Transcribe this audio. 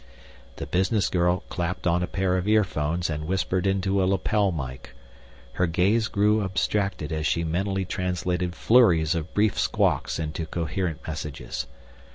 The business girl clapped on a pair of earphones and whispered into a lapel mike. Her gaze grew abstracted as she mentally translated flurries of brief squawks into coherent messages.